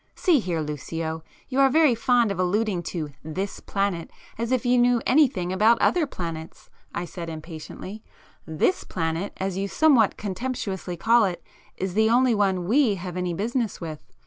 "See here, Lucio, you are very fond of alluding to 'this' planet as if you knew anything about other planets"—I said impatiently. "This planet, as you somewhat contemptuously call it, is the only one we have any business with."